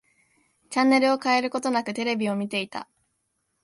チャンネルを変えることなく、テレビを見ていた。